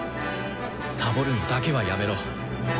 サボるのだけはやめろ。